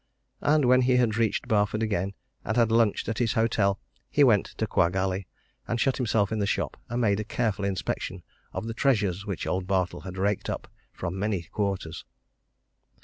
And when he had reached Barford again, and had lunched at his hotel, he went to Quagg Alley, and shut himself in the shop, and made a careful inspection of the treasures which old Bartle had raked up from many quarters.